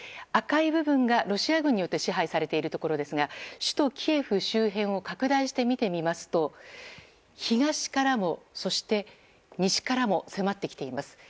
赤い部分がロシア軍によって支配されているところですが首都キエフ周辺を拡大して見てみますと東からも西からも迫ってきています。